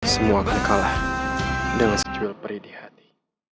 semua akan kalah dengan sejuil perih di hati